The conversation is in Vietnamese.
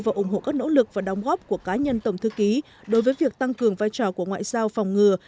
và ủng hộ các nỗ lực và đóng góp của cá nhân tổng thư ký đối với việc tăng cường vai trò của ngoại giao phòng ngừa